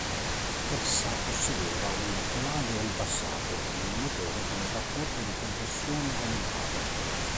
Essa possedeva un telaio ribassato ed un motore con un rapporto di compressione aumentato.